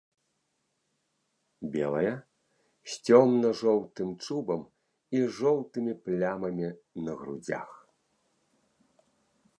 Белая, з цёмна-жоўтым чубам і жоўтымі плямамі на грудзях.